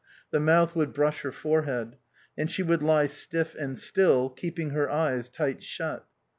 The mouth would brush her forehead. And she would lie stiff and still, keeping her eyes tight shut.